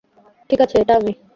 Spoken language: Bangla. ঠিক আছে, এটা আমি।